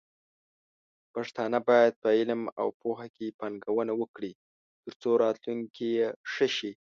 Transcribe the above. پښتانه بايد په علم او پوهه کې پانګونه وکړي، ترڅو راتلونکې يې ښه شي.